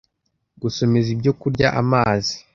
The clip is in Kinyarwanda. Gusomeza ibyokurya amazi